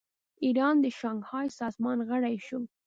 ایران د شانګهای سازمان غړی شو.